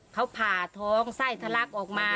เขาผ่าท้องไส้ทะลักออกมา